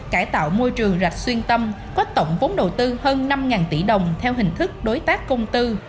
cải tạo môi trường rạch xuyên tâm có tổng vốn đầu tư hơn năm tỷ đồng theo hình thức đối tác công tư